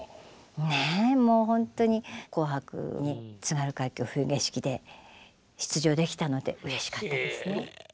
ねえもうほんとに「紅白」に「津軽海峡・冬景色」で出場できたのでうれしかったですね。